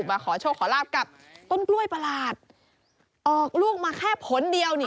มาขอโชคขอลาบกับต้นกล้วยประหลาดออกลูกมาแค่ผลเดียวนี่